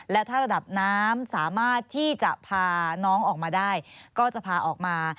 และถ้าระดับน้ำสามารถที่จะพาน้องออกมาได้ก็จะพาออกมา